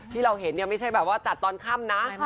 ที่เราเห็นเนี่ยไม่ใช่แบบว่าจัดตอนค่ำนะ